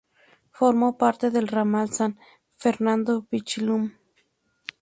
Formó parte del ramal San Fernando-Pichilemu.